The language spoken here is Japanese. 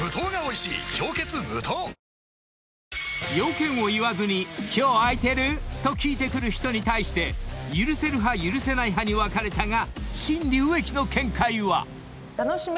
あ［用件を言わずに「今日空いてる？」と聞いてくる人に対して許せる派許せない派に分かれたが］